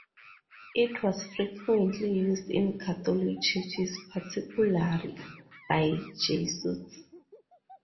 It was frequently used in Catholic churches, particularly by Jesuits.